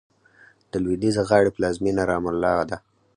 د لوېدیځې غاړې پلازمېنه رام الله ده.